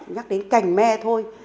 nhắc đến cành me thôi